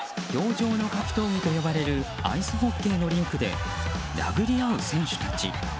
氷上の格闘技と呼ばれるアイスホッケーのリンクで殴り合う選手たち。